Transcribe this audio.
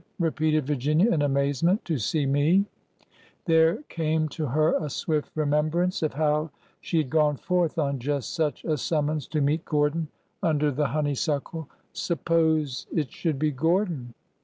repeated Virginia, in amazement. "To see me ?" There came to her a swift remembrance of how she had gone forth on just such a summons to meet Gordon un THE SACK OF KESWICK 277 der the honeysuckle. ... Suppose it should be Gordon